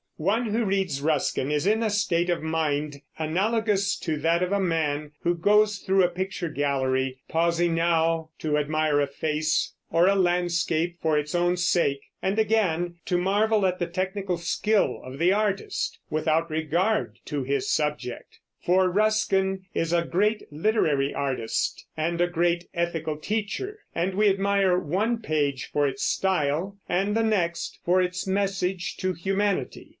One who reads Ruskin is in a state of mind analogous to that of a man who goes through a picture gallery, pausing now to admire a face or a landscape for its own sake, and again to marvel at the technical skill of the artist, without regard to his subject. For Ruskin is a great literary artist and a great ethical teacher, and we admire one page for its style, and the next for its message to humanity.